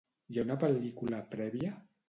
Hi ha una pel·lícula prèvia?